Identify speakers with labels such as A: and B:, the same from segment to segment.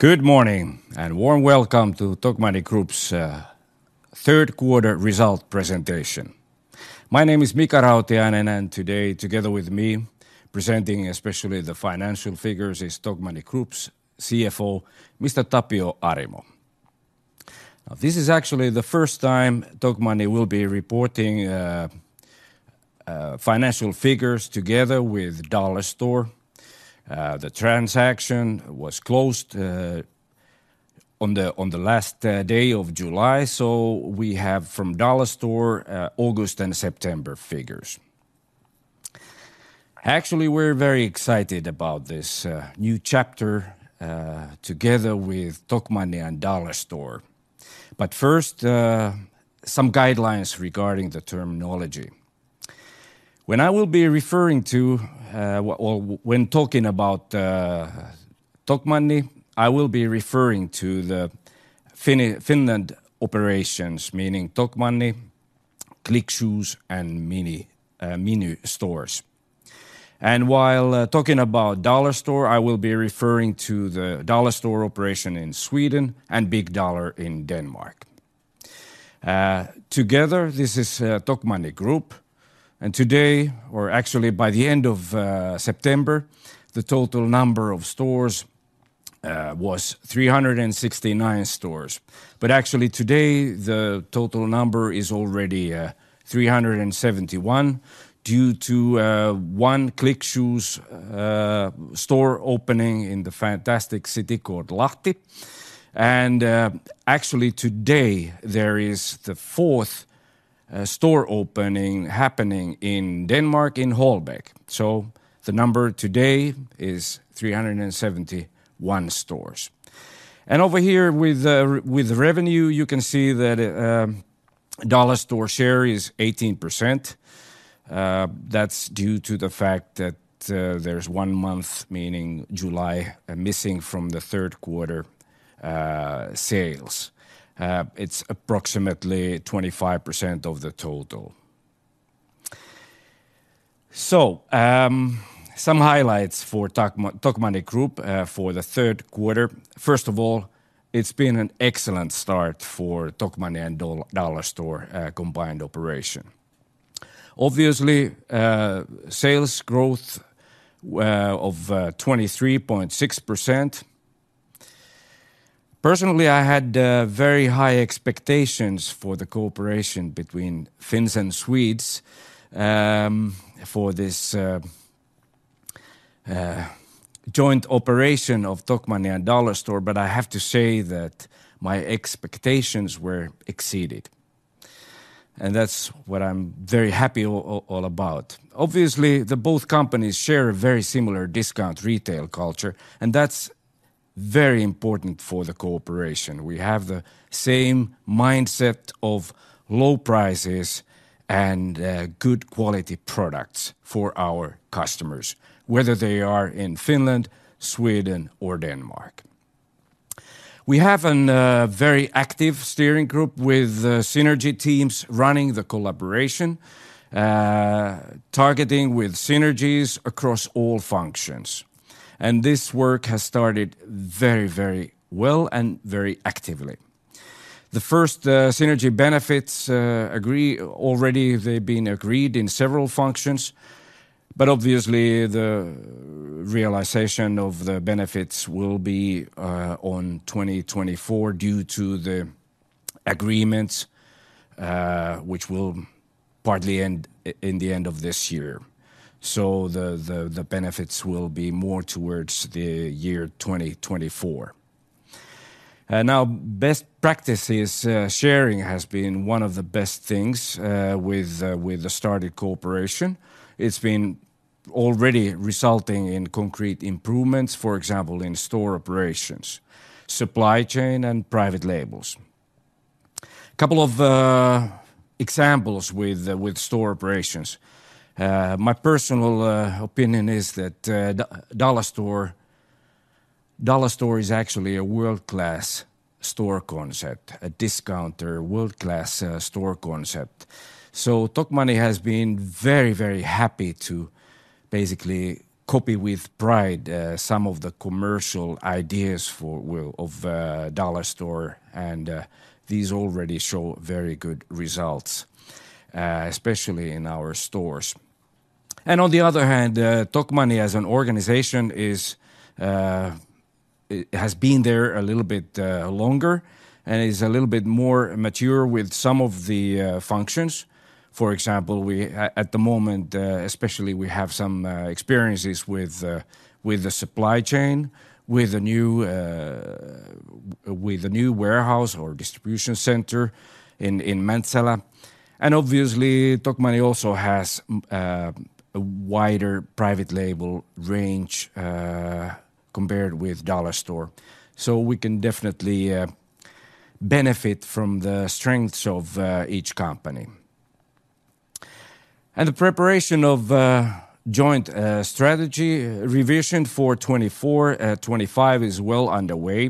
A: Good morning, and warm welcome to Tokmanni Group's third quarter result presentation. My name is Mika Rautiainen, and today, together with me, presenting especially the financial figures, is Tokmanni Group's CFO, Mr. Tapio Arimo. Now, this is actually the first time Tokmanni will be reporting financial figures together with Dollarstore. The transaction was closed on the last day of July, so we have from Dollarstore August and September figures. Actually, we're very excited about this new chapter together with Tokmanni and Dollarstore. But first, some guidelines regarding the terminology. When I will be referring to or when talking about Tokmanni, I will be referring to the Finland operations, meaning Tokmanni, Click Shoes, and Miny stores. While talking about Dollarstore, I will be referring to the Dollarstore operation in Sweden and Big Dollar in Denmark. Together, this is Tokmanni Group, and today, or actually by the end of September, the total number of stores was 369 stores. But actually today, the total number is already 371 due to one Click Shoes store opening in the fantastic city called Lahti. And actually today, there is the fourth store opening happening in Denmark in Holbæk. So the number today is 371 stores. And over here with revenue, you can see that Dollarstore share is 18%. That's due to the fact that there's one month, meaning July, missing from the third quarter sales. It's approximately 25% of the total. So, some highlights for Tokmanni Group for the third quarter. First of all, it's been an excellent start for Tokmanni and Dollarstore combined operation. Obviously, sales growth of 23.6%. Personally, I had very high expectations for the cooperation between Finns and Swedes for this joint operation of Tokmanni and Dollarstore, but I have to say that my expectations were exceeded, and that's what I'm very happy about. Obviously, the both companies share a very similar discount retail culture, and that's very important for the cooperation. We have the same mindset of low prices and good quality products for our customers, whether they are in Finland, Sweden, or Denmark. We have a very active steering group with synergy teams running the collaboration, targeting with synergies across all functions, and this work has started very, very well and very actively. The first synergy benefits already they've been agreed in several functions, but obviously the realization of the benefits will be on 2024 due to the agreements, which will partly end in the end of this year. So the benefits will be more towards the year 2024. And now, best practices sharing has been one of the best things with the started cooperation. It's been already resulting in concrete improvements, for example, in store operations, supply chain, and private labels. Couple of examples with store operations. My personal opinion is that, Dollarstore is actually a world-class store concept, a discounter, world-class store concept. So Tokmanni has been very, very happy to basically copy with pride some of the commercial ideas for, well, of Dollarstore, and these already show very good results, especially in our stores. And on the other hand, Tokmanni, as an Organization, is it has been there a little bit longer and is a little bit more mature with some of the functions. For example, at the moment, especially we have some experiences with the supply chain, with a new warehouse or distribution center in Mäntsälä. Obviously, Tokmanni also has a wider private label range compared with Dollarstore, so we can definitely benefit from the strengths of each company. The preparation of joint strategy revision for 2024-2025 is well underway.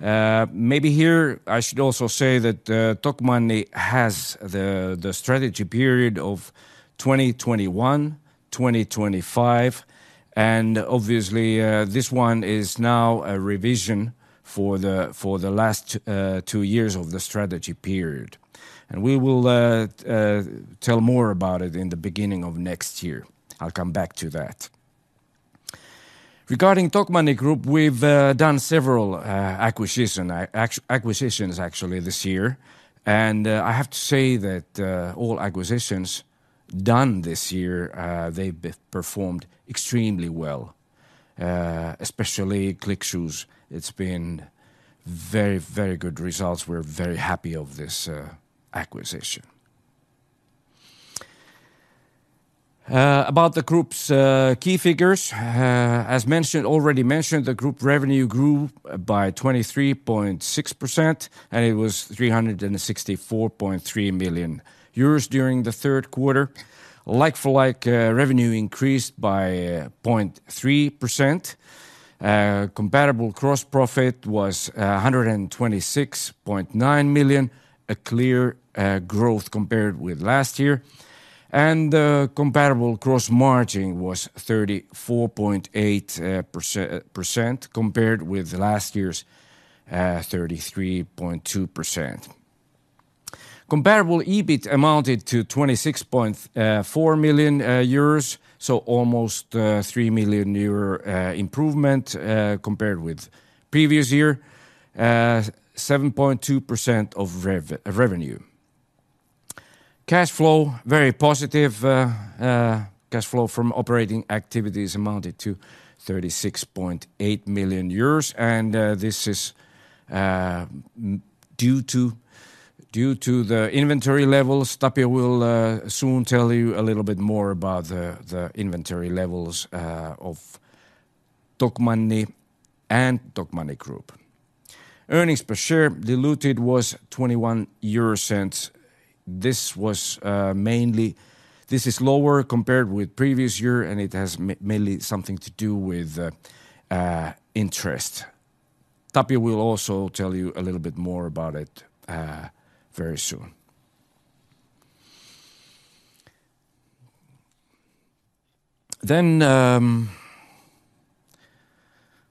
A: Maybe here I should also say that Tokmanni has the strategy period of 2021-2025, and obviously, this one is now a revision for the last two years of the strategy period. We will tell more about it in the beginning of next year. I'll come back to that. Regarding Tokmanni Group, we've done several acquisitions, actually, this year, and I have to say that all acquisitions done this year, they've performed extremely well, especially Click Shoes. It's been very, very good results. We're very happy of this acquisition. About the group's key figures, as mentioned, already mentioned, the group revenue grew by 23.6%, and it was 364.3 million euros during the third quarter. Like-for-like revenue increased by 0.3%. Comparable gross profit was 126.9 million, a clear growth compared with last year. And the comparable gross margin was 34.8%, compared with last year's 33.2%. Comparable EBIT amounted to 26.4 million euros, so almost 3 million euro improvement compared with previous year, 7.2% of revenue. Cash flow, very positive. Cash flow from operating activities amounted to 36.8 million euros, and this is due to the inventory levels. Tapio will soon tell you a little bit more about the inventory levels of Tokmanni and Tokmanni Group. Earnings per share diluted was 0.21. This was mainly... This is lower compared with previous year, and it has mainly something to do with interest. Tapio will also tell you a little bit more about it very soon. Then,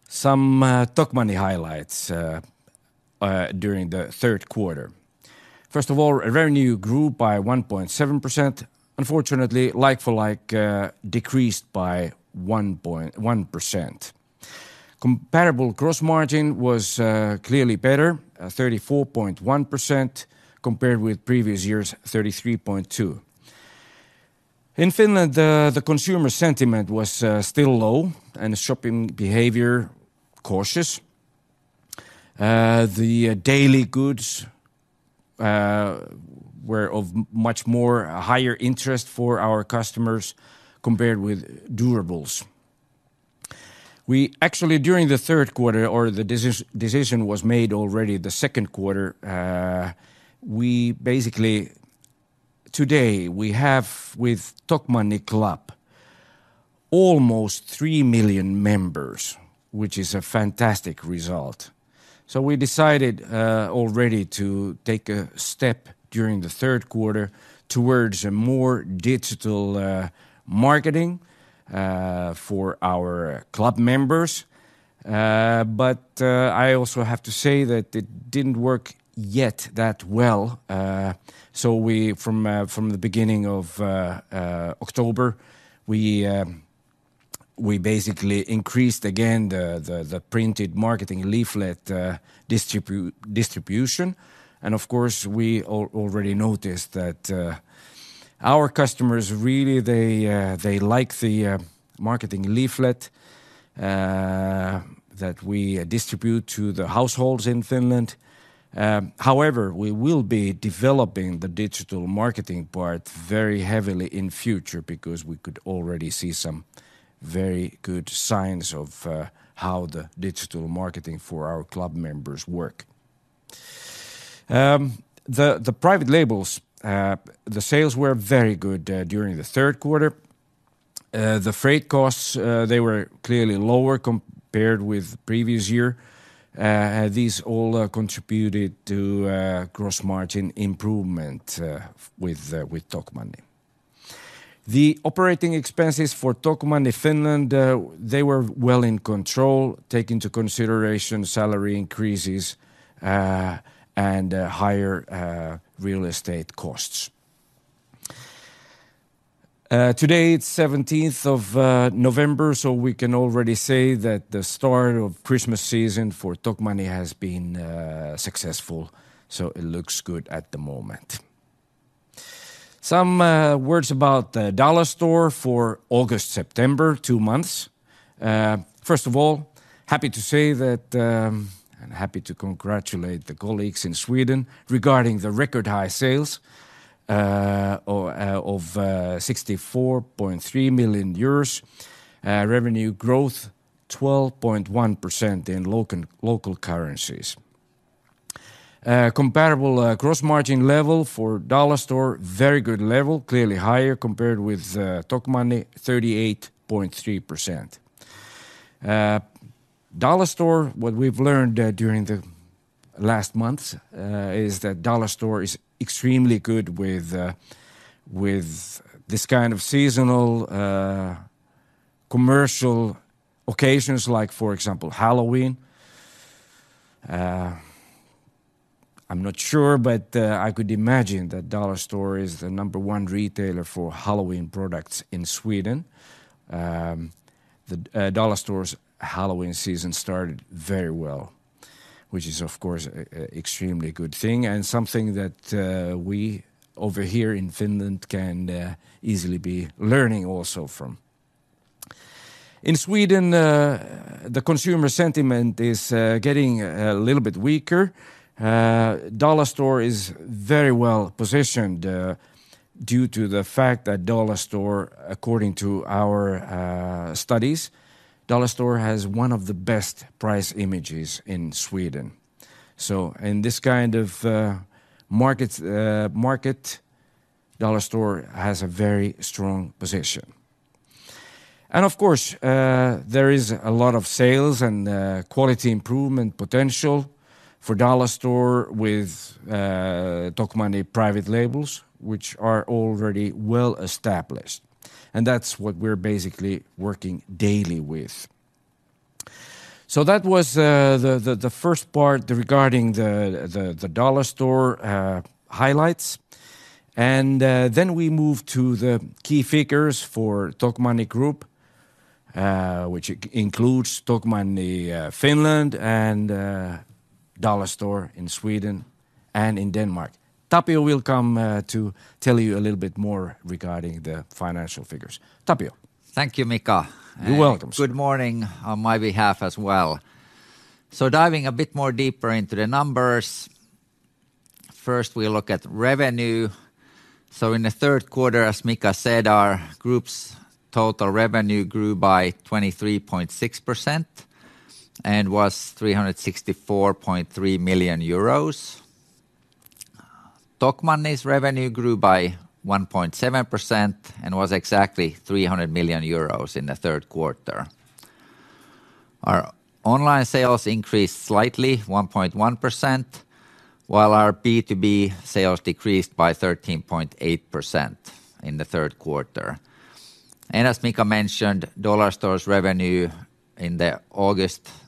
A: some Tokmanni highlights during the third quarter. First of all, revenue grew by 1.7%. Unfortunately, like-for-like decreased by 1.1%. Comparable gross margin was clearly better, 34.1%, compared with previous year's 33.2%. In Finland, consumer sentiment was still low, and the shopping behavior cautious. The daily goods were of much more higher interest for our customers compared with durables. We actually, during the third quarter, the decision was made already the second quarter, we basically, today, we have with Tokmanni Klubi, almost 3 million members, which is a fantastic result. So we decided already to take a step during the third quarter towards a more digital marketing for our club members. But I also have to say that it didn't work yet that well. So we from the beginning of October, we basically increased again the printed marketing leaflet distribution. Of course, we already noticed that our customers really they like the marketing leaflet that we distribute to the households in Finland. However, we will be developing the digital marketing part very heavily in future because we could already see some very good signs of how the digital marketing for our club members work. The private labels the sales were very good during the third quarter. The freight costs they were clearly lower compared with the previous year. These all contributed to gross margin improvement with Tokmanni. The operating expenses for Tokmanni Finland they were well in control, take into consideration salary increases and higher real estate costs. Today, it's the seventeenth of November, so we can already say that the start of Christmas season for Tokmanni has been successful, so it looks good at the moment. Some words about the Dollarstore for August, September, two months. First of all, happy to say that, and happy to congratulate the colleagues in Sweden regarding the record-high sales of 64.3 million. Revenue growth, 12.1% in local currencies. Comparable gross margin level for Dollarstore, very good level, clearly higher compared with Tokmanni, 38.3%. Dollarstore, what we've learned during the last months is that Dollarstore is extremely good with this kind of seasonal commercial occasions, like, for example, Halloween. I'm not sure, but I could imagine that Dollarstore is the number one retailer for Halloween products in Sweden. Dollarstore's Halloween season started very well, which is, of course, an extremely good thing and something that we over here in Finland can easily be learning also from. In Sweden, the consumer sentiment is getting a little bit weaker. Dollarstore is very well positioned due to the fact that Dollarstore, according to our studies, Dollarstore has one of the best price images in Sweden. So in this kind of markets Dollarstore has a very strong position. And of course, there is a lot of sales and quality improvement potential for Dollarstore with Tokmanni private labels, which are already well-established, and that's what we're basically working daily with. So that was the first part regarding the Dollarstore highlights. Then we move to the key figures for Tokmanni Group, which includes Tokmanni Finland and Dollarstore in Sweden and in Denmark. Tapio will come to tell you a little bit more regarding the financial figures. Tapio.
B: Thank you, Mika.
A: You're welcome.
B: Good morning on my behalf as well. So diving a bit more deeper into the numbers, first, we look at revenue. So in the third quarter, as Mika said, our group's total revenue grew by 23.6% and was 364.3 million euros. Tokmanni's revenue grew by 1.7% and was exactly 300 million euros in the third quarter. Our online sales increased slightly, 1.1%, while our B2B sales decreased by 13.8% in the third quarter. And as Mika mentioned, Dollarstore's revenue in the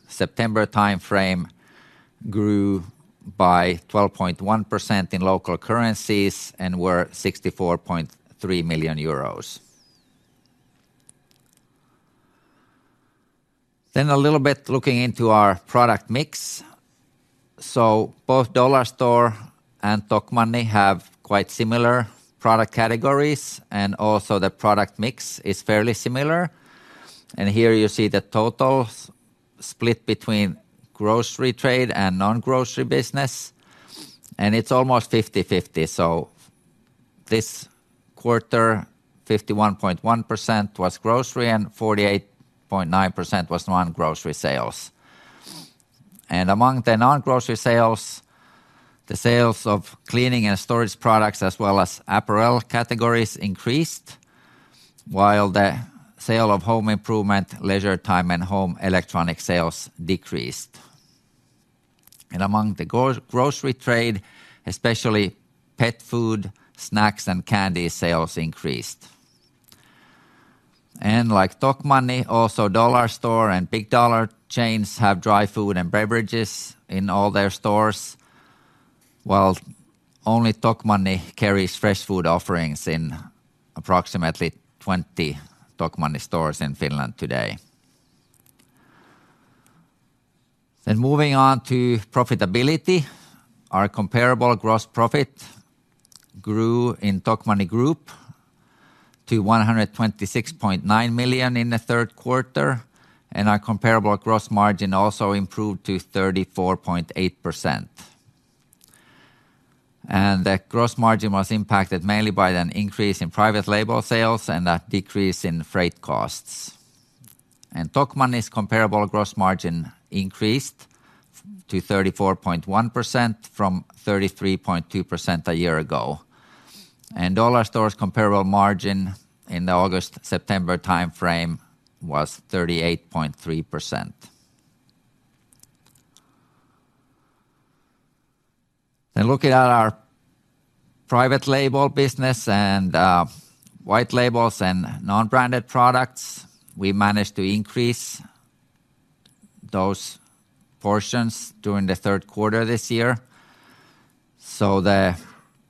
B: August-September timeframe grew by 12.1% in local currencies and were 64.3 million euros. Then a little bit looking into our product mix. So both Dollarstore and Tokmanni have quite similar product categories, and also the product mix is fairly similar. Here you see the totals split between grocery trade and non-grocery business, and it's almost 50/50. So this quarter, 51.1% was grocery and 48.9% was non-grocery sales. And among the non-grocery sales, the sales of cleaning and storage products, as well as apparel categories increased, while the sale of home improvement, leisure time, and home electronic sales decreased. And among the grocery trade, especially pet food, snacks, and candy sales increased. And like Tokmanni, also Dollarstore and Big Dollar chains have dry food and beverages in all their stores, while only Tokmanni carries fresh food offerings in approximately 20 Tokmanni stores in Finland today. Moving on to profitability. Our comparable gross profit grew in Tokmanni Group to 126.9 million in the third quarter, and our comparable gross margin also improved to 34.8%. The gross margin was impacted mainly by an increase in private label sales and a decrease in freight costs. Tokmanni's comparable gross margin increased to 34.1% from 33.2% a year ago. Dollarstore's comparable margin in the August-September timeframe was 38.3%. Then looking at our private label business and white labels and non-branded products, we managed to increase those portions during the third quarter this year. So the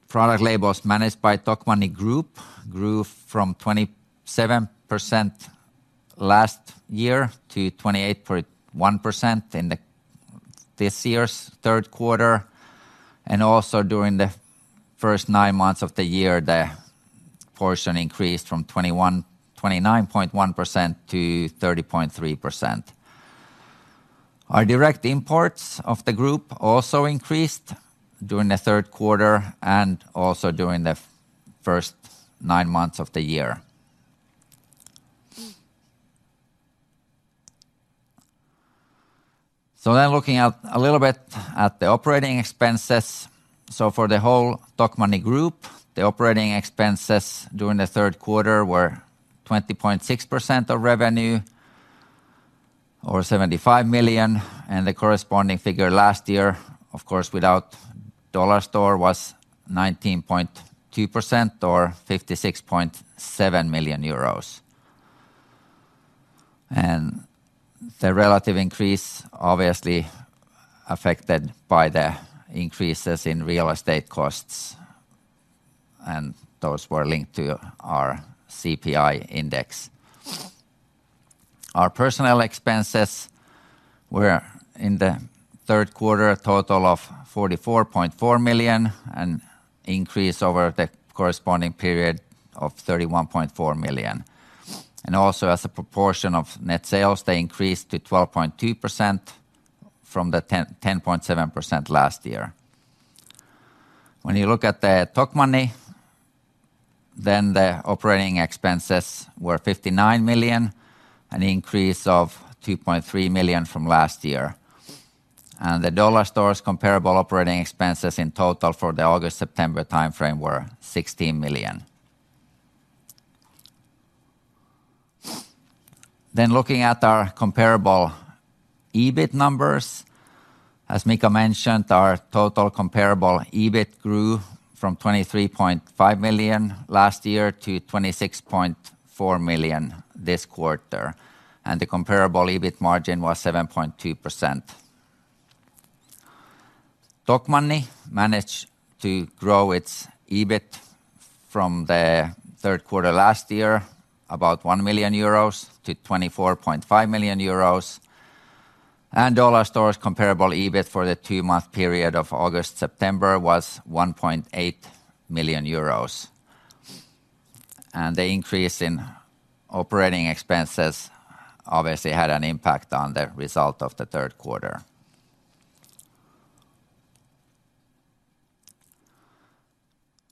B: product labels managed by Tokmanni Group grew from 27% last year to 28.1% in this year's third quarter, and also during the first nine months of the year, the portion increased from 29.1% to 30.3%. Our direct imports of the group also increased during the third quarter and also during the first nine months of the year. So then looking at a little bit at the operating expenses. So for the whole Tokmanni Group, the operating expenses during the third quarter were 20.6% of revenue, or 75 million, and the corresponding figure last year, of course, without Dollarstore, was 19.2% or 56.7 million euros. And the relative increase obviously affected by the increases in real estate costs, and those were linked to our CPI Index. Our personnel expenses were in the third quarter a total of 44.4 million, an increase over the corresponding period of 31.4 million. And also as a proportion of net sales, they increased to 12.2% from the 10.7% last year. When you look at the Tokmanni, then the operating expenses were 59 million, an increase of 2.3 million from last year. The Dollarstore's comparable operating expenses in total for the August-September timeframe were 16 million. Looking at our comparable EBIT numbers, as Mika mentioned, our total comparable EBIT grew from 23.5 million last year to 26.4 million this quarter, and the comparable EBIT margin was 7.2%. Tokmanni managed to grow its EBIT from the third quarter last year, about 1 million euros to 24.5 million euros. Dollarstore's comparable EBIT for the two-month period of August-September was 1.8 million euros. The increase in operating expenses obviously had an impact on the result of the third quarter.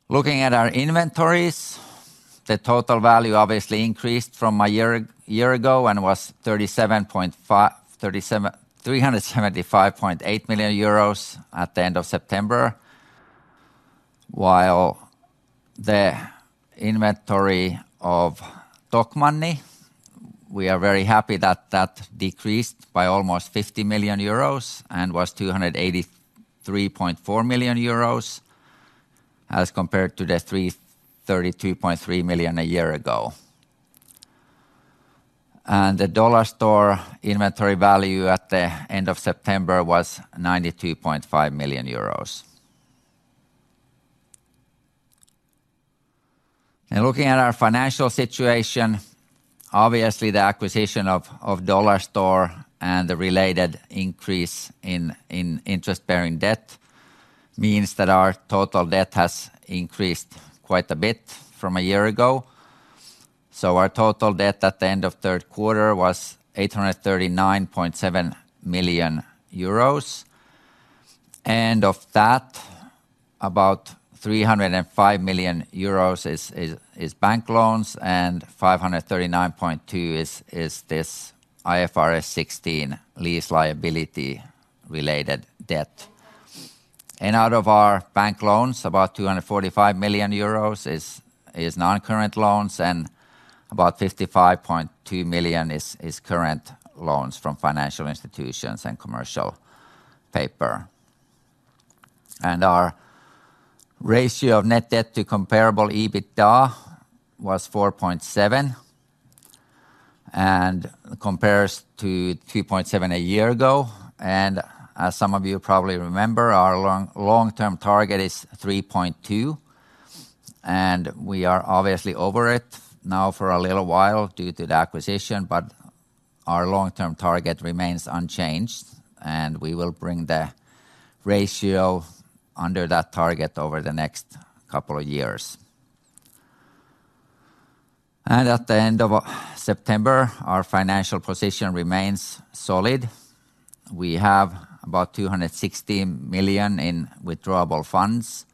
B: Looking at our inventories, the total value obviously increased from a year ago and was 375.8 million euros at the end of September, while the inventory of Tokmanni, we are very happy that that decreased by almost 50 million euros and was 283.4 million euros as compared to the 332.3 million a year ago. And the Dollarstore inventory value at the end of September was 92.5 million euros. And looking at our financial situation, obviously, the acquisition of Dollarstore and the related increase in interest-bearing debt means that our total debt has increased quite a bit from a year ago. So our total debt at the end of third quarter was 839.7 million euros, and of that, about 305 million euros is bank loans, and 539.2 million is this IFRS 16 lease liability related debt. Out of our bank loans, about 245 million euros is non-current loans, and about 55.2 million is current loans from financial institutions and commercial paper. Our ratio of net debt to comparable EBITDA was 4.7 and compares to 2.7 a year ago. As some of you probably remember, our long-term target is 3.2, and we are obviously over it now for a little while due to the acquisition, but our long-term target remains unchanged, and we will bring the ratio under that target over the next couple of years. At the end of September, our financial position remains solid. We have about 216 million in withdrawable funds,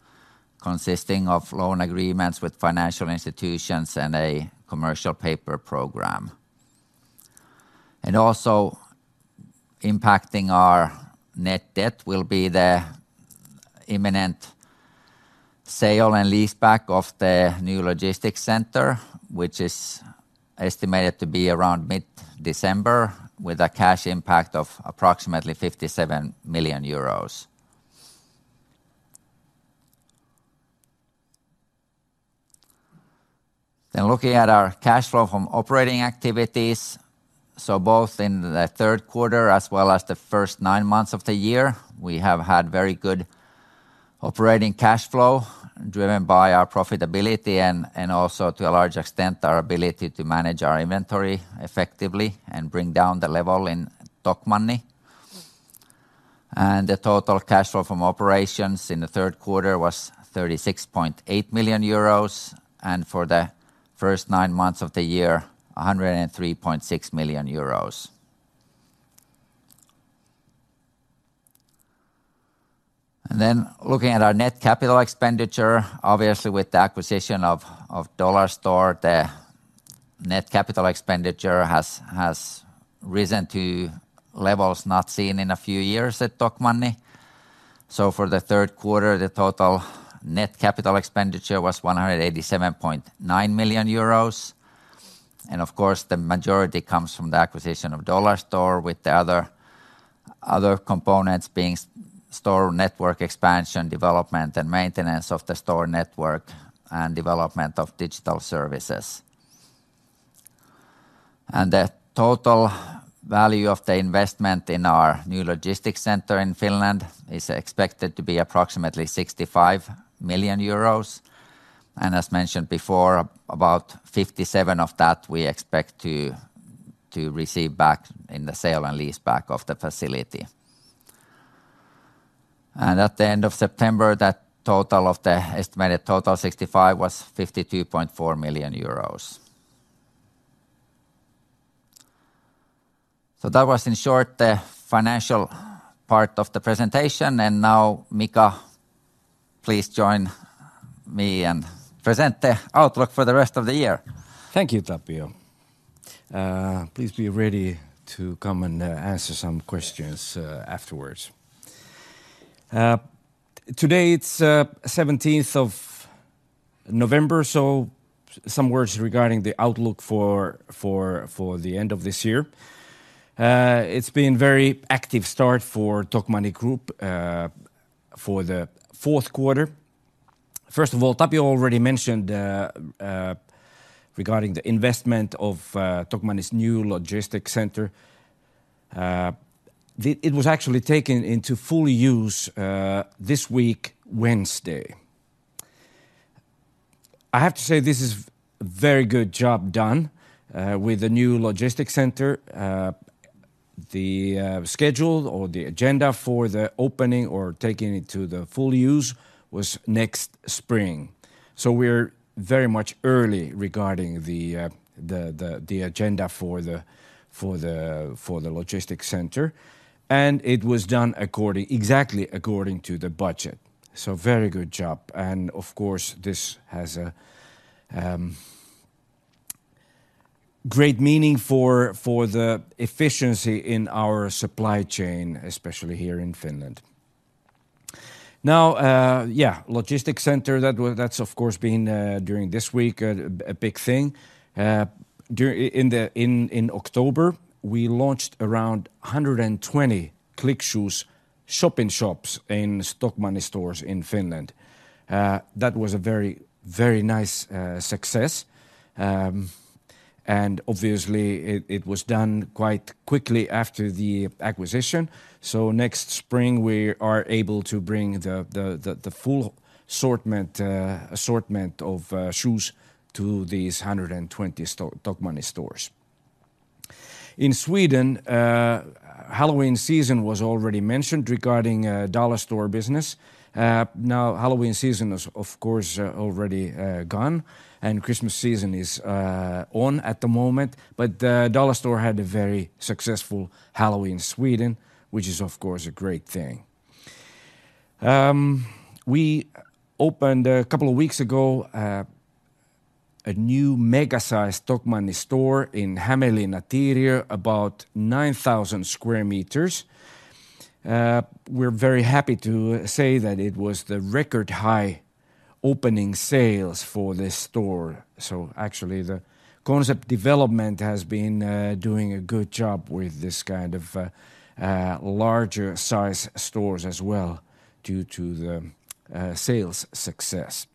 B: consisting of loan agreements with financial institutions and a commercial paper program. Also impacting our net debt will be the imminent sale and leaseback of the new logistics center, which is estimated to be around mid-December, with a cash impact of approximately 57 million euros. Then looking at our cash flow from operating activities, so both in the third quarter as well as the first nine months of the year, we have had very good operating cash flow, driven by our profitability and also to a large extent, our ability to manage our inventory effectively and bring down the level in Tokmanni. The total cash flow from operations in the third quarter was 36.8 million euros, and for the first nine months of the year, 103.6 million euros. Then looking at our net capital expenditure, obviously with the acquisition of Dollarstore, the net capital expenditure has risen to levels not seen in a few years at Tokmanni. So for the third quarter, the total net capital expenditure was 187.9 million euros. Of course, the majority comes from the acquisition of Dollarstore, with the other, other components being store network expansion, development and maintenance of the store network, and development of digital services. The total value of the investment in our new logistics center in Finland is expected to be approximately 65 million euros. As mentioned before, about 57 of that we expect to, to receive back in the sale and leaseback of the facility. At the end of September, that total of the estimated total 65 was 52.4 million euros. That was, in short, the financial part of the presentation, and now, Mika, please join me and present the outlook for the rest of the year.
A: Thank you, Tapio. Please be ready to come and answer some questions afterwards. Today, it's the seventeenth of November, so some words regarding the outlook for the end of this year. It's been a very active start for Tokmanni Group for the fourth quarter. First of all, Tapio already mentioned regarding the investment of Tokmanni's new logistics center. It was actually taken into full use this week, Wednesday. I have to say, this is very good job done with the new logistics center. The schedule or the agenda for the opening or taking it to the full use was next spring. So we're very much early regarding the agenda for the logistics center, and it was done exactly according to the budget. So very good job, and of course, this has a great meaning for the efficiency in our supply chain, especially here in Finland. Now, yeah, logistics center, that's of course been during this week a big thing. In October, we launched around 120 Click Shoes shop-in-shops in Tokmanni stores in Finland. That was a very, very nice success. And obviously, it was done quite quickly after the acquisition, so next spring we are able to bring the full assortment of shoes to these 120 Tokmanni stores. In Sweden, Halloween season was already mentioned regarding Dollarstore business. Now, Halloween season is, of course, already gone, and Christmas season is on at the moment. Dollarstore had a very successful Halloween in Sweden, which is, of course, a great thing. We opened, a couple of weeks ago, a new mega-sized Tokmanni store in Hämeenlinna, Finland, about 9,000 square meters. We're very happy to say that it was the record-high opening sales for this store. So actually, the concept development has been doing a good job with this kind of larger size stores as well, due to the sales success.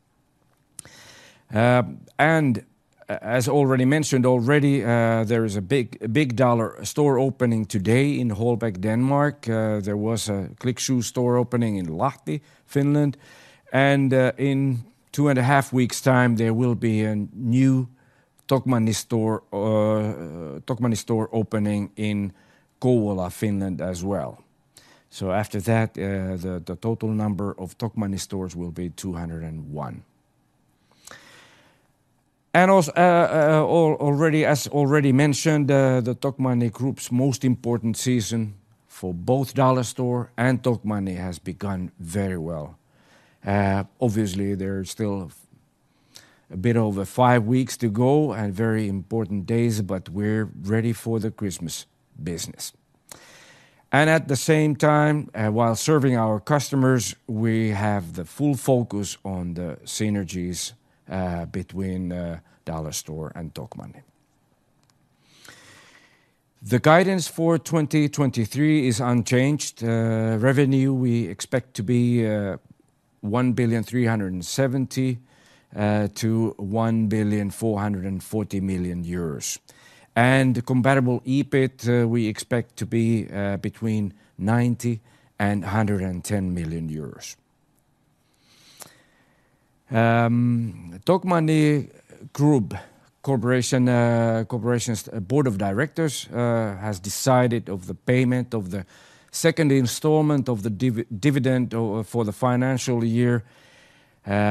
A: And as already mentioned, there is a big Dollarstore opening today in Holbæk, Denmark. There was a Click Shoes store opening in Lahti, Finland, and in two and a half weeks' time, there will be a new Tokmanni store opening in Kouvola, Finland, as well. So after that, the total number of Tokmanni stores will be 201. And already, as already mentioned, the Tokmanni Group's most important season for both Dollarstore and Tokmanni has begun very well. Obviously, there are still a bit over 5 weeks to go and very important days, but we're ready for the Christmas business. And at the same time, while serving our customers, we have the full focus on the synergies between Dollarstore and Tokmanni. The guidance for 2023 is unchanged. Revenue, we expect to be 1,370 million euros to 1,440 million. nd the Comparable EBIT, we expect to be between 90 million euros and 110 million euros. Tokmanni Group Corporation's Board of Directors has decided of the payment of the second installment of the dividend for the financial year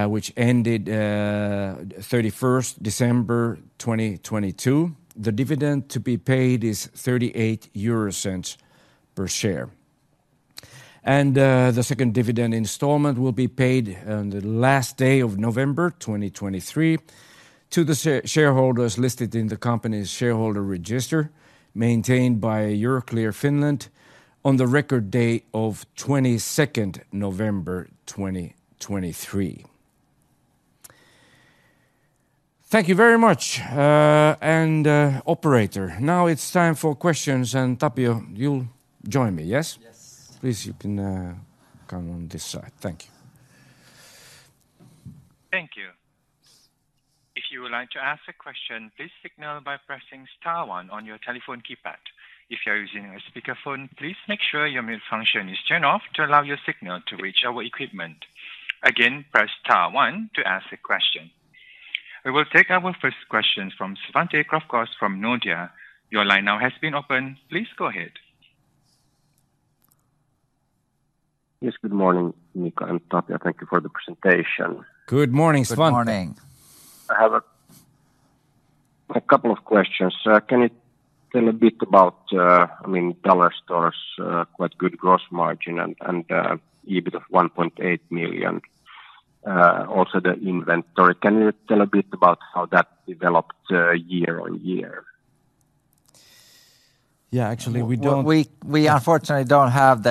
A: which ended 31st December 2022. The dividend to be paid is 0.38 per share. The second dividend installment will be paid on the last day of November 2023 to the shareholders listed in the company's shareholder register, maintained by Euroclear Finland, on the record date of 22 November 2023. Thank you very much. Operator, now it's time for questions, and Tapio, you'll join me, yes?
B: Yes.
C: Please, you can, come on this side. Thank you. Thank you. If you would like to ask a question, please signal by pressing star one on your telephone keypad. If you are using a speakerphone, please make sure your mute function is turned off to allow your signal to reach our equipment. Again, press star one to ask a question. We will take our first question from Svante Krokfors from Nordea. Your line now has been opened. Please go ahead.
D: Yes, good morning, Mika and Tapio. Thank you for the presentation.
A: Good morning, Svante.
B: Good morning.
D: I have a couple of questions. Can you tell a bit about, I mean, Dollarstore's quite good gross margin and EBIT of 1.8 million? Also the inventory, can you tell a bit about how that developed year on year?
A: Yeah, actually, we don't-
B: We unfortunately don't have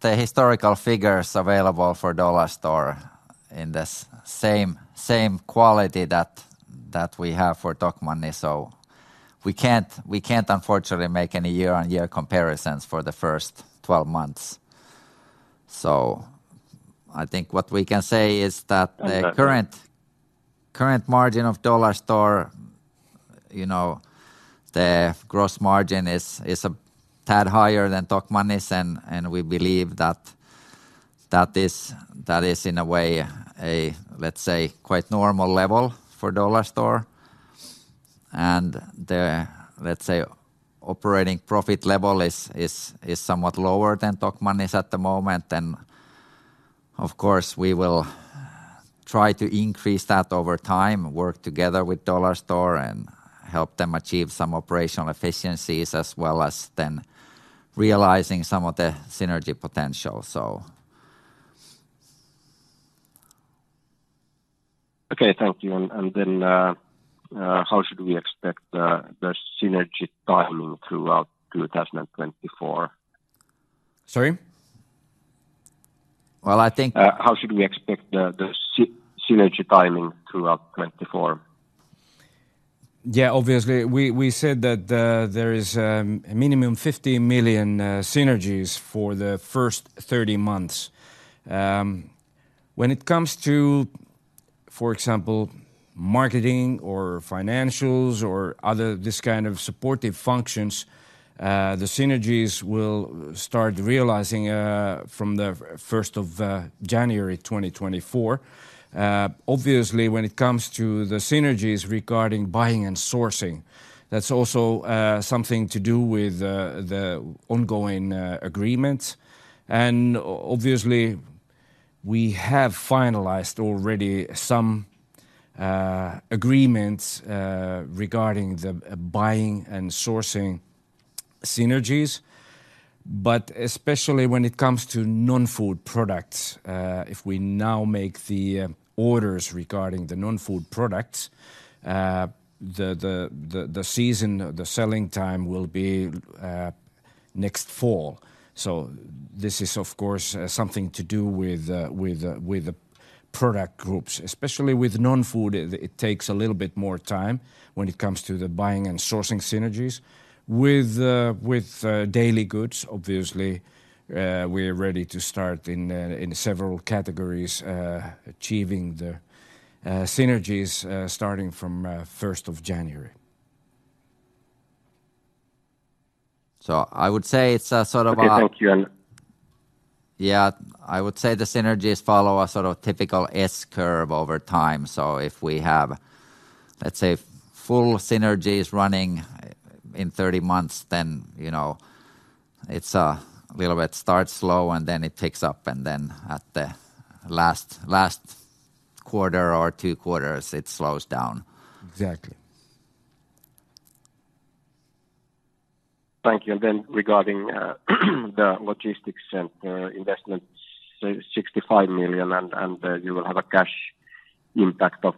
B: the historical figures available for Dollarstore in the same quality that we have for Tokmanni, so we unfortunately can't make any year-on-year comparisons for the first 12 months. So I think what we can say is that the-
D: Understood...
B: current margin of Dollarstore, you know, the gross margin is a tad higher than Tokmanni's, and we believe that that is, in a way, a let's say, quite normal level for Dollarstore. And the, let's say, operating profit level is somewhat lower than Tokmanni's at the moment. And of course, we will try to increase that over time, work together with Dollarstore, and help them achieve some operational efficiencies, as well as then realizing some of the synergy potential, so.
D: Okay, thank you. And then, how should we expect the synergy timing throughout 2024?
B: Sorry?
A: Well, I think-
D: How should we expect the synergy timing throughout 2024?
A: Yeah, obviously, we said that there is a minimum 50 million synergies for the first 30 months. When it comes to, for example, marketing or financials or other... this kind of supportive functions, the synergies we'll start realizing from the first of January 2024. Obviously, when it comes to the synergies regarding buying and sourcing, that's also something to do with the ongoing agreement. And obviously, we have finalized already some agreements regarding the buying and sourcing synergies. But especially when it comes to non-food products, if we now make the orders regarding the non-food products, the season, the selling time will be next fall. So this is, of course, something to do with the product groups. Especially with non-food, it takes a little bit more time when it comes to the buying and sourcing synergies. With daily goods, obviously, we're ready to start in several categories, achieving the synergies, starting from first of January.
B: I would say it's a sort of a-
D: Okay. Thank you.
B: Yeah, I would say the synergies follow a sort of typical S curve over time. So if we have, let's say, full synergies running in 30 months, then, you know, it's a little bit starts slow, and then it picks up, and then at the last, last quarter or 2 quarters, it slows down.
A: Exactly.
D: Thank you. And then regarding the logistics and investment, so 65 million, and you will have a cash impact of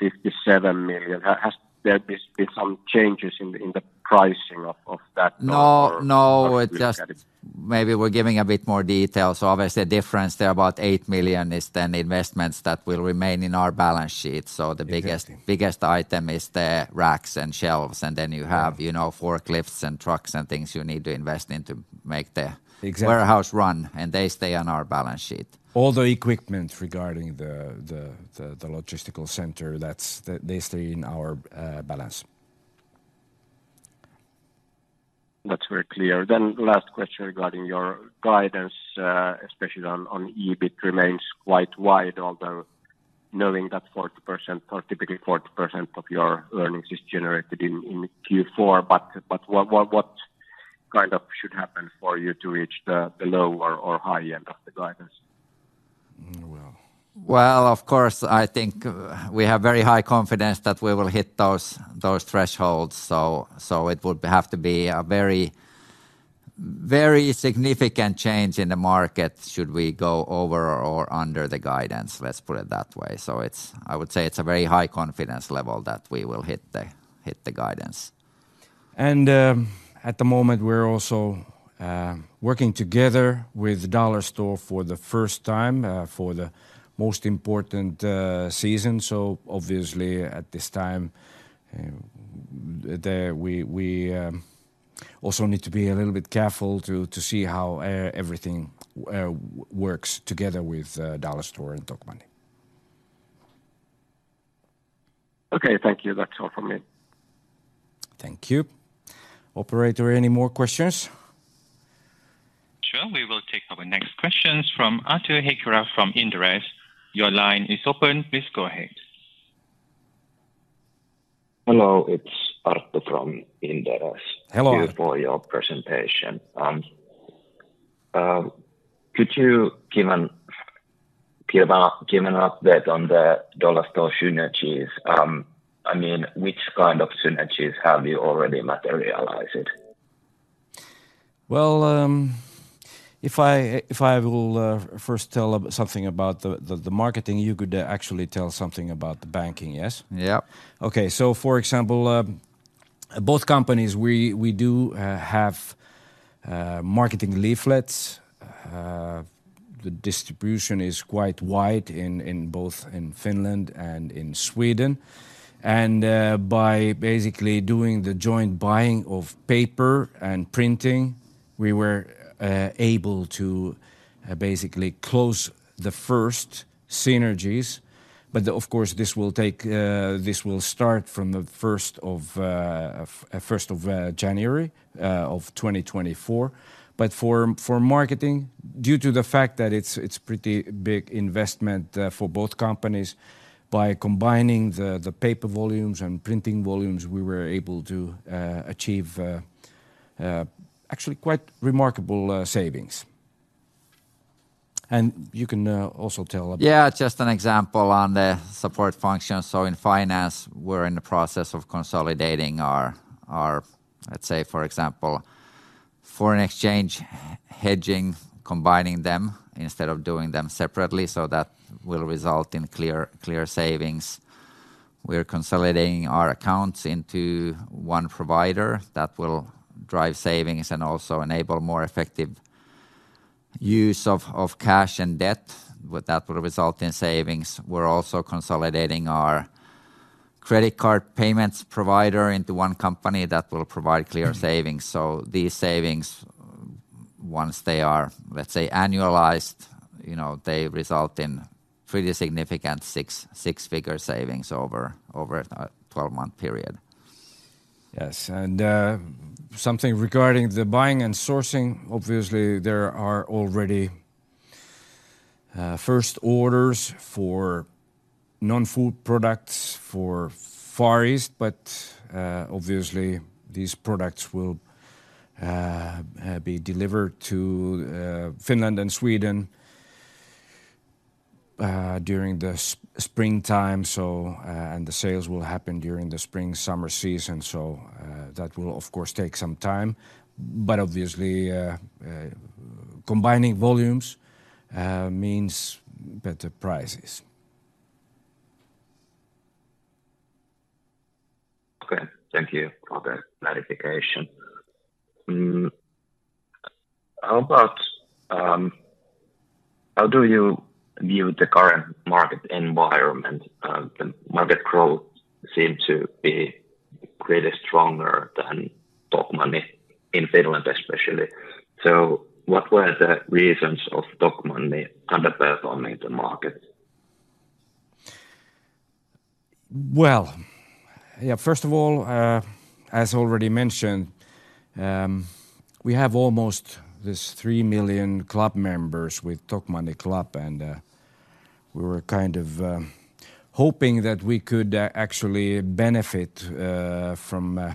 D: 57 million. Has there been some changes in the pricing of that, or-
B: No, no.
D: I understand.
B: It just... Maybe we're giving a bit more detail. So obviously, the difference there, about 8 million, is then Investments that will remain in our balance sheet.
A: Exactly.
B: So the biggest, biggest item is the racks and shelves, and then you have, you know, forklifts and trucks and things you need to invest in to make the-
A: Exactly...
B: warehouse run, and they stay on our balance sheet.
A: All the equipment regarding the logistics center, that's they stay in our balance.
D: That's very clear. Then last question regarding your guidance, especially on EBIT remains quite wide, although knowing that 40% or typically 40% of your earnings is generated in Q4. But what kind of should happen for you to reach the low or high end of the guidance?
B: Well, of course, I think we have very high confidence that we will hit those thresholds. So, it would have to be a very significant change in the market should we go over or under the guidance, let's put it that way. So it's I would say it's a very high confidence level that we will hit the guidance.
A: At the moment, we're also working together with Dollarstore for the first time for the most important season. Obviously, at this time, we also need to be a little bit careful to see how everything works together with Dollarstore and Tokmanni.
D: Okay. Thank you. That's all from me.
A: Thank you. Operator, any more questions?
C: Sure, we will take our next questions from Arttu Heikura from Inderes. Your line is open, please go ahead.
E: Hello, it's Arttu from Inderes-
A: Hello
E: Thank you for your presentation. Could you give an update on the Dollarstore synergies? I mean, which kind of synergies have you already materialized?
A: Well, if I will first tell something about the marketing, you could actually tell something about the banking, yes?
E: Yeah.
A: Okay. So for example, both companies, we do have marketing leaflets. The distribution is quite wide in both Finland and Sweden. And by basically doing the joint buying of paper and printing, we were able to basically close the first synergies. But of course, this will take... This will start from the 1st of January of 2024. But for marketing, due to the fact that it's pretty big investment for both companies, by combining the paper volumes and printing volumes, we were able to achieve actually quite remarkable savings. And you can also tell about-
B: Yeah, just an example on the support function. So in finance, we're in the process of consolidating our... Let's say, for example, foreign exchange hedging, combining them instead of doing them separately, so that will result in clear savings. We're consolidating our accounts into one provider that will drive savings and also enable more effective use of cash and debt. With that will result in savings. We're also consolidating our credit card payments provider into one company that will provide clear savings.
A: Mm-hmm.
B: These savings, once they are, let's say, annualized, you know, they result in pretty significant six-figure savings over a 12-month period.
A: Yes, something regarding the buying and sourcing. Obviously there are already first orders for non-food products for Far East, but obviously these products will be delivered to Finland and Sweden during the springtime. So, the sales will happen during the spring, summer season. So, that will of course take some time, but obviously combining volumes means better prices.
E: Okay. Thank you for the clarification. How do you view the current market environment? The market growth seem to be pretty stronger than Tokmanni in Finland, especially. So what were the reasons of Tokmanni underperforming the market?
A: Well, yeah, first of all, as already mentioned, we have almost 3 million club members with Tokmanni club, and we were kind of hoping that we could actually benefit from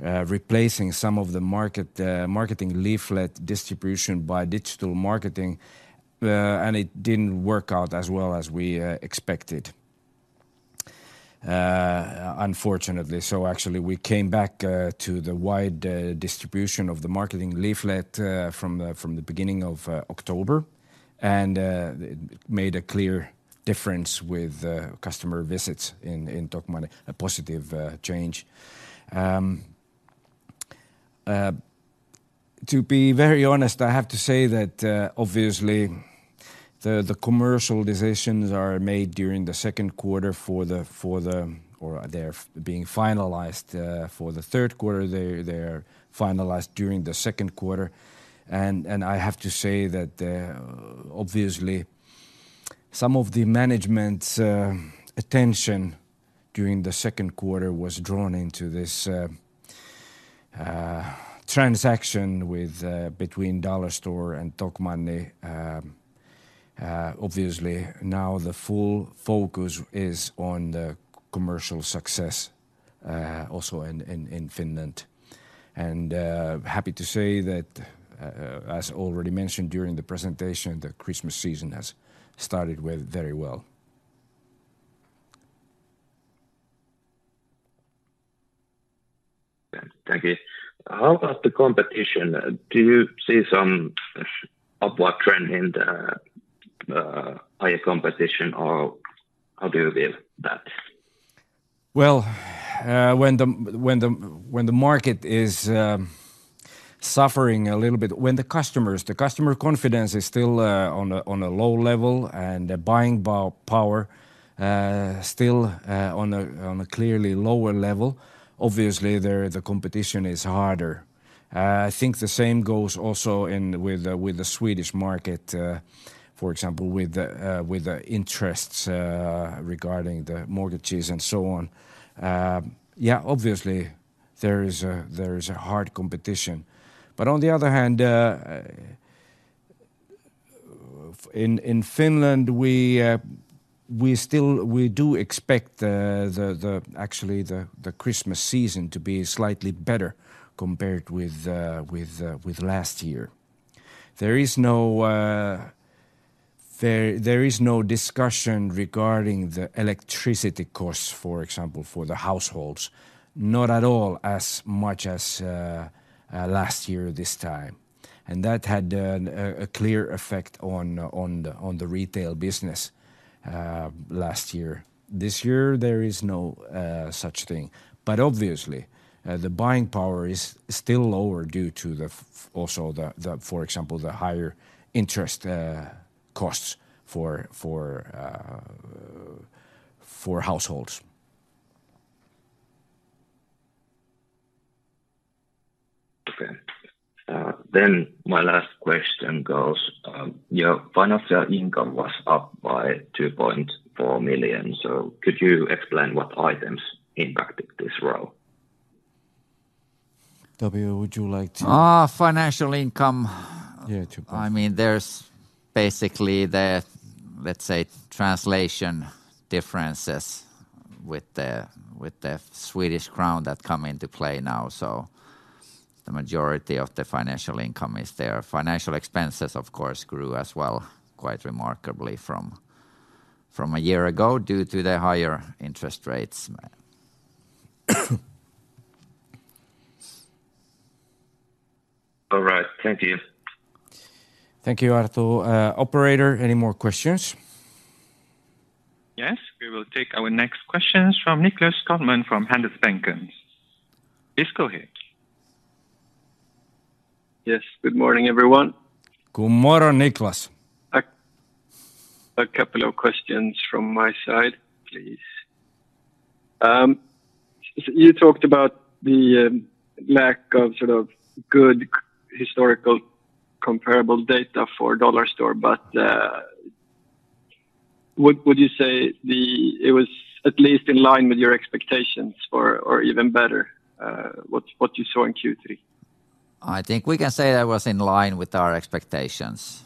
A: replacing some of the marketing leaflet distribution by digital marketing, and it didn't work out as well as we expected, unfortunately. So actually, we came back to the wide distribution of the marketing leaflet from the beginning of October, and it made a clear difference with customer visits in Tokmanni, a positive change. To be very honest, I have to say that, obviously, the commercial decisions are made during the second quarter for the third quarter. They're being finalized for the third quarter. They're finalized during the second quarter. I have to say that obviously some of the management's attention during the second quarter was drawn into this transaction between Dollarstore and Tokmanni. Obviously, now the full focus is on the commercial success also in Finland. Happy to say that, as already mentioned during the presentation, the Christmas season has started very well.
E: Yeah, thank you. How about the competition? Do you see some upward trend in the higher competition, or how do you feel that?
A: Well, when the market is suffering a little bit, when the customers— The customer confidence is still on a low level, and the buying power still on a clearly lower level, obviously, there the competition is harder. I think the same goes also in with the Swedish market, for example, with the interests regarding the mortgages and so on. Yeah, obviously, there is a hard competition. But on the other hand, in Finland, we still— we do expect actually the Christmas season to be slightly better compared with last year. There is no discussion regarding the electricity costs, for example, for the households, not at all as much as last year this time. And that had a clear effect on the retail business last year. This year, there is no such thing, but obviously, the buying power is still lower due to also the, for example, the higher interest costs for households.
E: Okay. Then my last question goes, your financial income was up by 2.4 million. So could you explain what items impacted this role?
A: Tapio, would you like to-
B: Ah, financial income?
A: Yeah, 2.-
B: I mean, there's basically the, let's say, translation differences with the, with the Swedish krona that come into play now. So the majority of the financial income is there. Financial expenses, of course, grew as well, quite remarkably from a year ago due to the higher interest rates.
E: All right. Thank you.
C: Thank you, Arttu. Operator, any more questions? Yes. We will take our next questions from Nicklas Skogman from Handelsbanken. Please go ahead.
F: Yes, good morning, everyone.
A: Good morning, Niklas.
F: A couple of questions from my side, please. So you talked about the lack of sort of good historical comparable data for Dollarstore, but would you say the... It was at least in line with your expectations or even better, what you saw in Q3?
B: I think we can say that was in line with our expectations.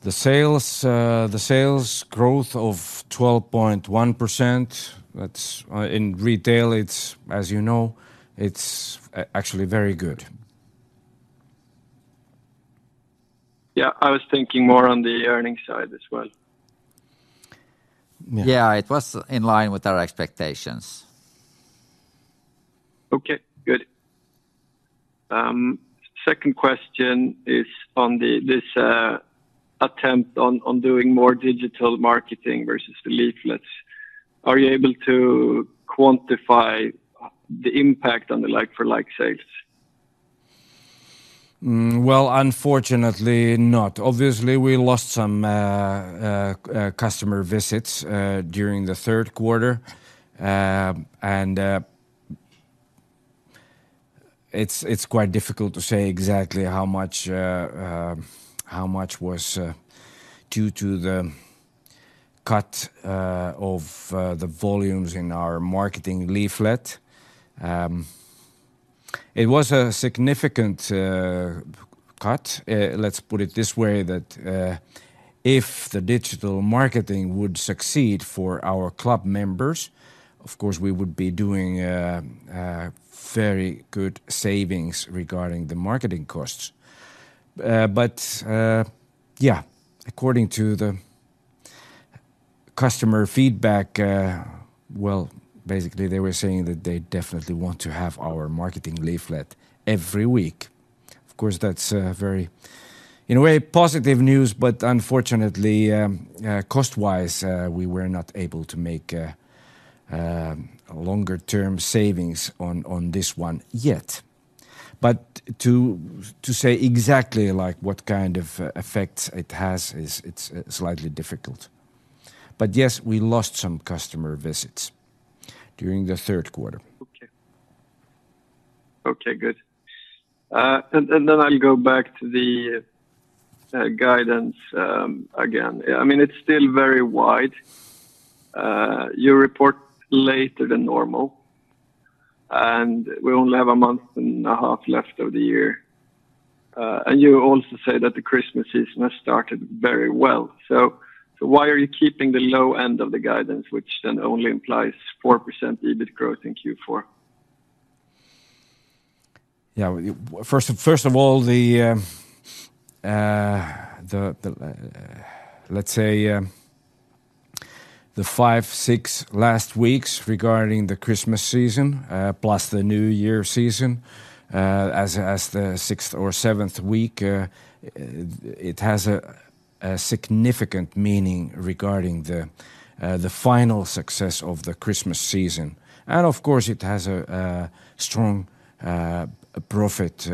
A: The sales growth of 12.1%, that's in retail, it's, as you know, it's actually very good.
F: Yeah, I was thinking more on the earnings side as well.
B: Yeah.
A: Yeah, it was in line with our expectations.
F: Okay, good. Second question is on this attempt on doing more digital marketing versus the leaflets. Are you able to quantify the impact on the like-for-like sales?
A: Well, unfortunately, not. Obviously, we lost some customer visits during the third quarter. And it's quite difficult to say exactly how much was due to the cut of the volumes in our marketing leaflet. It was a significant cut. Let's put it this way, that if the digital marketing would succeed for our club members, of course, we would be doing very good savings regarding the marketing costs. But yeah, according to the customer feedback, well, basically, they were saying that they definitely want to have our marketing leaflet every week. Of course, that's very, in a way, positive news, but unfortunately, cost-wise, we were not able to make longer-term savings on this one yet. But to say exactly like what kind of effects it has is it's slightly difficult. But yes, we lost some customer visits during the third quarter.
F: Okay. Okay, good. And then I'll go back to the guidance again. I mean, it's still very wide. You report later than normal, and we only have a month and a half left of the year. And you also say that the Christmas season has started very well. So why are you keeping the low end of the guidance, which then only implies 4% EBIT growth in Q4?
A: Yeah, first, first of all, the, let's say, the five, six last weeks regarding the Christmas season, plus the New Year season, as the sixth or seventh week, it has a significant meaning regarding the final success of the Christmas season. And of course, it has a strong profit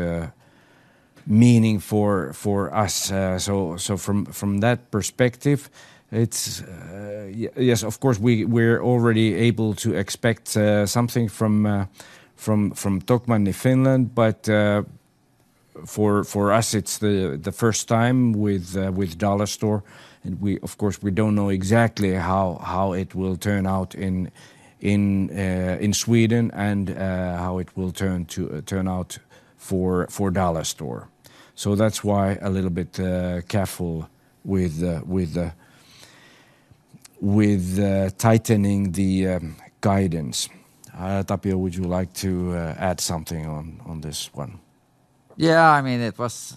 A: meaning for us. So from that perspective, it's... Yes, of course, we're already able to expect something from Tokmanni Finland, but for us, it's the first time with Dollarstore, and we... Of course, we don't know exactly how it will turn out in Sweden, and how it will turn out for Dollarstore. So that's why a little bit careful with tightening the guidance. Tapio, would you like to add something on this one?
B: Yeah, I mean, it was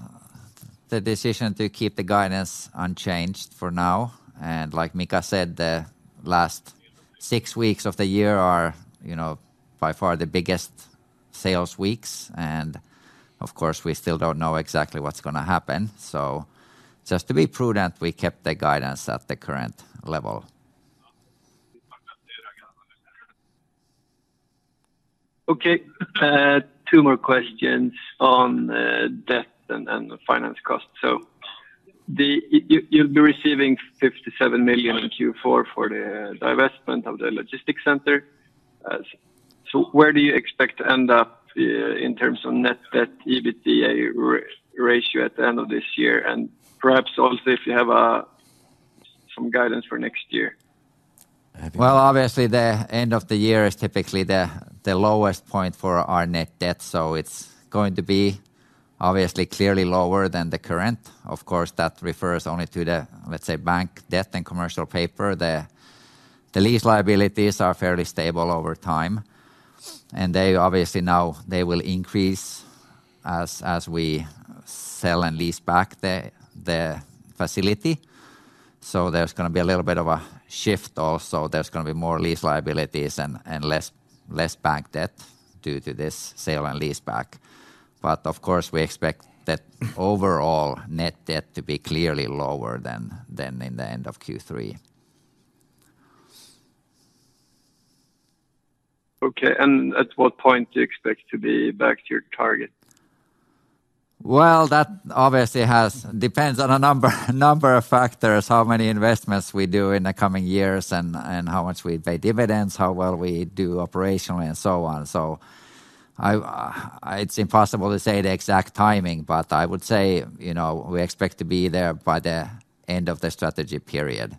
B: the decision to keep the guidance unchanged for now. And like Mika said, the last six weeks of the year are, you know, by far the biggest sales weeks, and of course, we still don't know exactly what's gonna happen. So just to be prudent, we kept the guidance at the current level.
F: Okay. Two more questions on debt and the finance cost. So you'll be receiving 57 million in Q4 for the divestment of the logistics center. So where do you expect to end up in terms of net debt, EBITDA ratio at the end of this year? And perhaps also if you have some guidance for next year.
B: Well, obviously, the end of the year is typically the lowest point for our net debt, so it's going to be obviously clearly lower than the current. Of course, that refers only to the, let's say, bank debt and commercial paper. The lease liabilities are fairly stable over time, and they obviously now will increase as we sell and lease back the facility. So there's gonna be a little bit of a shift also. There's gonna be more lease liabilities and less bank debt due to this sale and leaseback. But of course, we expect that overall net debt to be clearly lower than in the end of Q3.
F: Okay, and at what point do you expect to be back to your target?
B: Well, that obviously has depends on a number of factors, how many investments we do in the coming years and, and how much we pay dividends, how well we do operationally, and so on. So I, it's impossible to say the exact timing, but I would say, you know, we expect to be there by the end of the strategy period.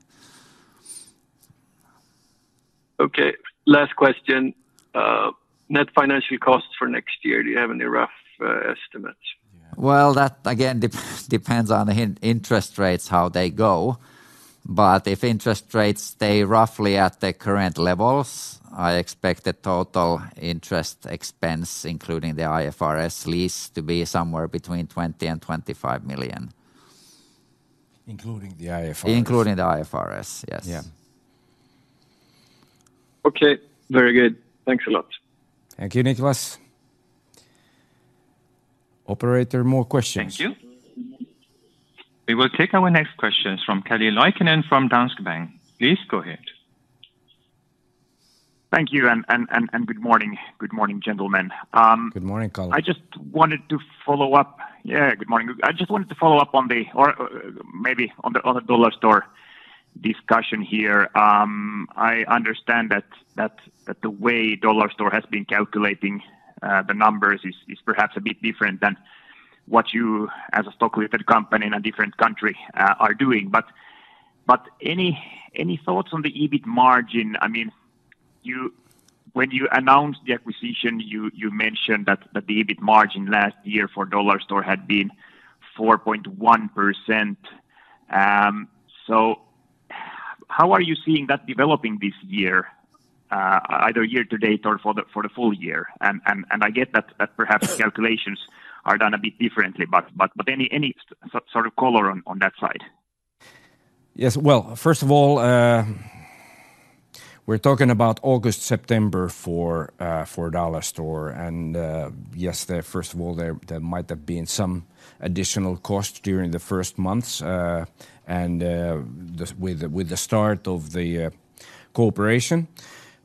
F: Okay, last question. Net financial costs for next year, do you have any rough estimates?
B: Well, that again depends on the interest rates, how they go. But if interest rates stay roughly at the current levels, I expect the total interest expense, including the IFRS lease, to be somewhere between 20 million and 25 million.
A: Including the IFRS.
B: Including the IFRS, yes.
A: Yeah.
F: Okay. Very good. Thanks a lot.
A: Thank you, Niklas. Operator, more questions? Thank you. We will take our next questions from Kalle Leikinen from Danske Bank. Please go ahead.
G: Thank you and good morning. Good morning, gentlemen.
A: Good morning, Kalle.
G: I just wanted to follow up... Yeah, good morning. I just wanted to follow up on the, maybe on the Dollarstore discussion here. I understand that the way Dollarstore has been calculating the numbers is perhaps a bit different than what you as a stock limited company in a different country are doing. But any thoughts on the EBIT margin? I mean, you when you announced the acquisition, you mentioned that the EBIT margin last year for Dollarstore had been 4.1%. So how are you seeing that developing this year, either year to date or for the full year? And I get that perhaps calculations are done a bit differently, but any sort of color on that side?
A: Yes. Well, first of all, we're talking about August, September for Dollarstore, and yes, first of all, there might have been some additional cost during the first months, and with the start of the cooperation.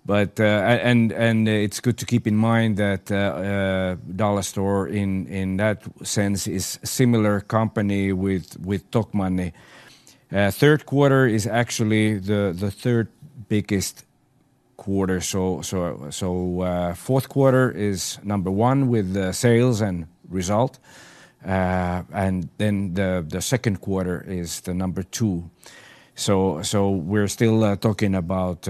A: But... And it's good to keep in mind that Dollarstore in that sense is similar company with Tokmanni. Third quarter is actually the third biggest quarter. So fourth quarter is number one with the sales and result, and then the second quarter is the number two. So we're still talking about,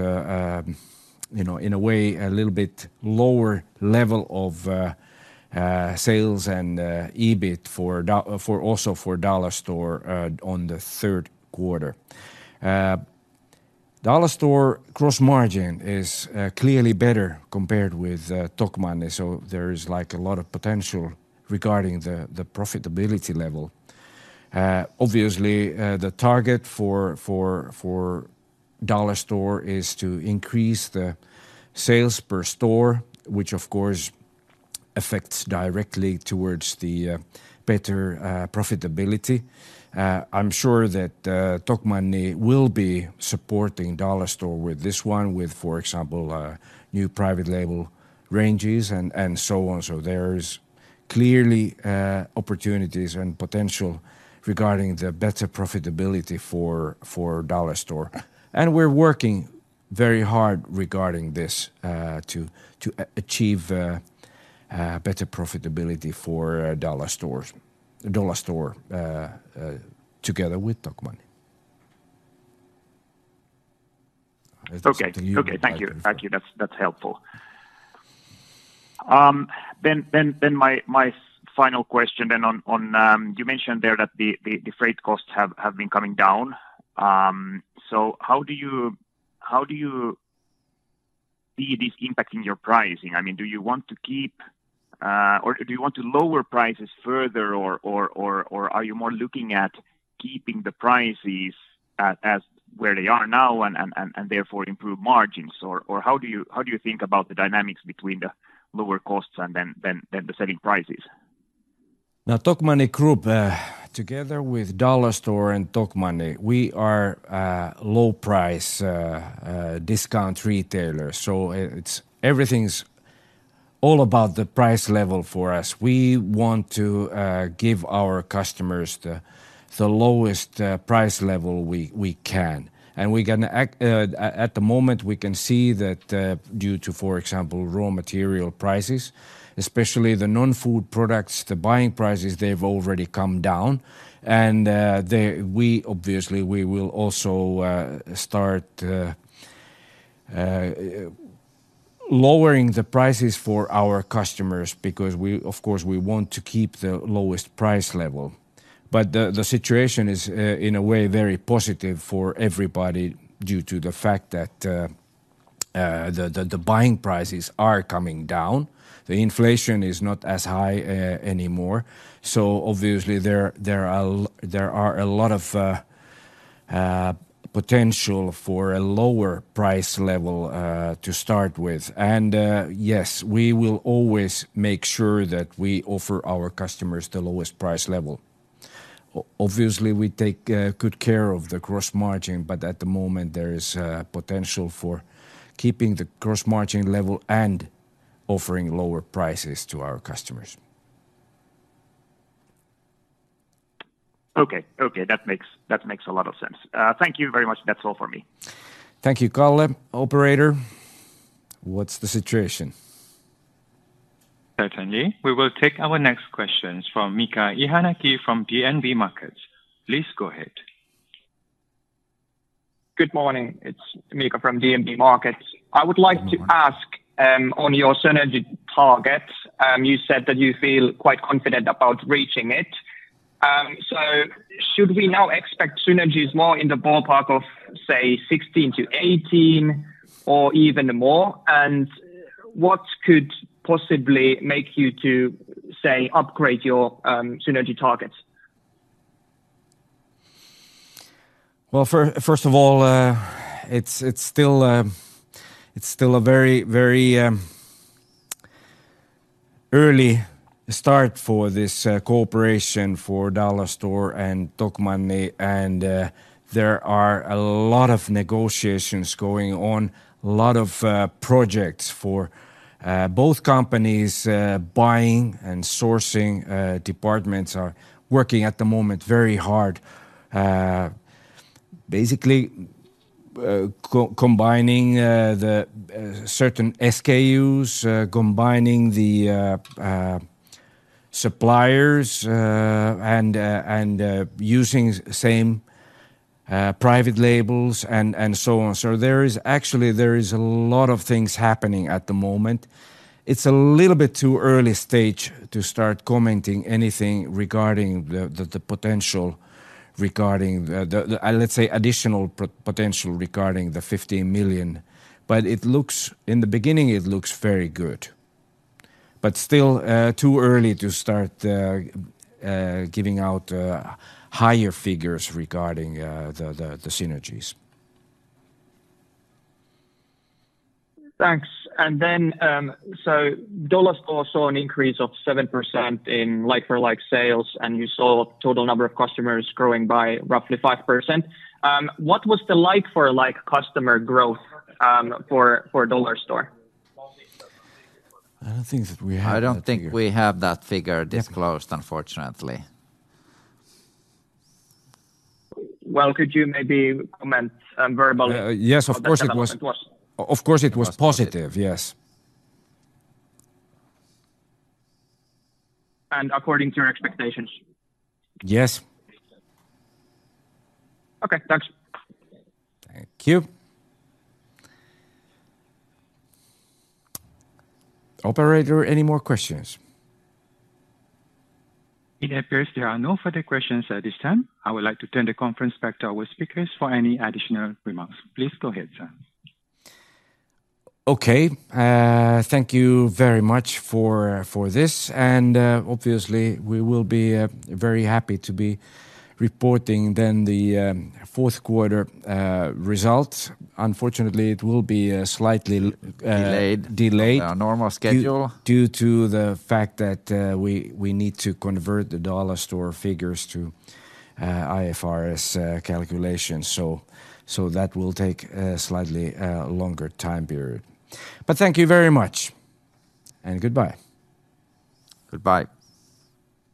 A: you know, in a way, a little bit lower level of sales and EBIT for also for Dollarstore on the third quarter. Dollarstore gross margin is clearly better compared with Tokmanni, so there is, like, a lot of potential regarding the profitability level. Obviously, the target for Dollarstore is to increase the sales per store, which, of course, affects directly towards the better profitability. I'm sure that Tokmanni will be supporting Dollarstore with this one, with, for example, new private label ranges and so on. So there's clearly opportunities and potential regarding the better profitability for Dollarstore, and we're working very hard regarding this to achieve better profitability for Dollarstores, Dollarstore together with Tokmanni.
G: Okay.
A: Do you-
G: Okay, thank you. Thank you. That's helpful. Then my final question on you mentioned there that the freight costs have been coming down. So how do you see this impacting your pricing? I mean, do you want to keep or do you want to lower prices further or are you more looking at keeping the prices as where they are now and therefore improve margins? Or how do you think about the dynamics between the lower costs and the selling prices?
A: Now, Tokmanni Group, together with Dollarstore and Tokmanni, we are a low price discount retailer, so it's... Everything's all about the price level for us. We want to give our customers the lowest price level we can, and at the moment, we can see that due to, for example, raw material prices, especially the non-food products, the buying prices, they've already come down. And we obviously will also start lowering the prices for our customers because we, of course, want to keep the lowest price level. But the situation is in a way very positive for everybody, due to the fact that the buying prices are coming down. The inflation is not as high anymore. So obviously, there are a lot of potential for a lower price level to start with. Yes, we will always make sure that we offer our customers the lowest price level. Obviously, we take good care of the gross margin, but at the moment, there is potential for keeping the gross margin level and offering lower prices to our customers.
G: Okay. Okay, that makes, that makes a lot of sense. Thank you very much. That's all for me.
A: Thank you, Kalle. Operator, what's the situation? Certainly. We will take our next questions from Miika Ihamäki from DNB Markets. Please go ahead.
H: Good morning, it's Mika from DNB Markets.
A: Good morning.
H: I would like to ask on your synergy targets. You said that you feel quite confident about reaching it. So should we now expect synergies more in the ballpark of, say, 16-18 or even more? And what could possibly make you to, say, upgrade your synergy targets?
A: Well, first of all, it's still a very, very early start for this cooperation for Dollarstore and Tokmanni, and there are a lot of negotiations going on, a lot of projects for both companies' buying and sourcing departments are working at the moment very hard. Basically, combining the certain SKUs, combining the suppliers, and using same private labels and so on. So there is actually a lot of things happening at the moment. It's a little bit too early stage to start commenting anything regarding the potential regarding the, let's say, additional potential regarding the 50 million, but it looks... In the beginning, it looks very good. But still, too early to start giving out the synergies.
H: Thanks. And then, so Dollarstore saw an increase of 7% in like-for-like sales, and you saw total number of customers growing by roughly 5%. What was the like-for-like customer growth for Dollarstore?
A: I don't think that we have that figure.
B: I don't think we have that figure disclosed, unfortunately.
H: Well, could you maybe comment verbally-
A: Yes, of course it was-
H: What that was?
A: Of course, it was positive, yes.
H: According to your expectations?
A: Yes.
H: Okay, thanks.
A: Thank you. Operator, any more questions?
C: It appears there are no further questions at this time. I would like to turn the conference back to our speakers for any additional remarks. Please go ahead, sir.
A: Okay, thank you very much for this, and obviously, we will be very happy to be reporting then the fourth quarter results. Unfortunately, it will be slightly.
B: Delayed...
A: delayed.
B: From our normal schedule.
A: Due to the fact that we need to convert the Dollarstore figures to IFRS calculations, so that will take a slightly longer time period. But thank you very much, and goodbye.
B: Goodbye!